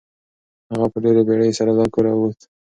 هغه په ډېرې بیړې سره له کوره ووت.